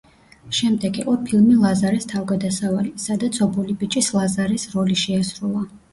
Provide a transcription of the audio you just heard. შემდეგ იყო ფილმი „ლაზარეს თავგადასავალი“, სადაც ობოლი ბიჭის ლაზარეს როლი შეასრულა.